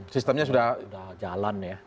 sistemnya sudah jalan ya